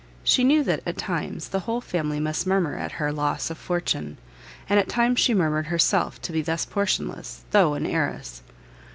she knew that, at times, the whole family must murmur at her loss of fortune, and at times she murmured herself to be thus portionless, tho' an HEIRESS.